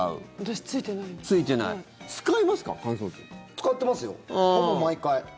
使ってますよほぼ毎回。